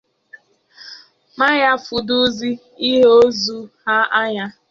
ma ya fọdụzie ịhụ ozu ha anya